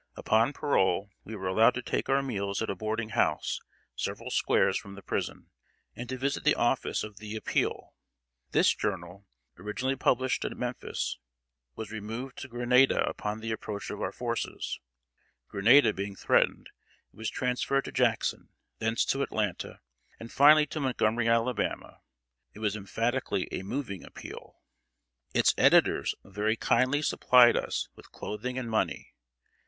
Upon parole, we were allowed to take our meals at a boarding house several squares from the prison, and to visit the office of The Appeal. This journal, originally published at Memphis, was removed to Grenada upon the approach of our forces; Grenada being threatened, it was transferred to Jackson; thence to Atlanta, and finally to Montgomery, Alabama. It was emphatically a moving Appeal. Its editors very kindly supplied us with clothing and money.